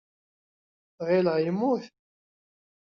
Ɣileɣ yemmut.